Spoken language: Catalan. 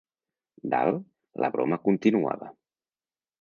Dalt, la broma continuava.